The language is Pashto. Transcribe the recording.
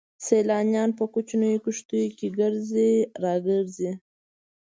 سيلانيان په کوچنيو کښتيو کې ګرځي را ګرځي.